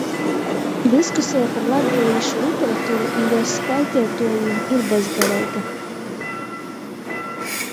Diskuseja par latgalīšu literaturu i juos skaiteituojim ir bezgaleiga.